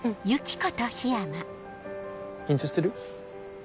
緊張してる？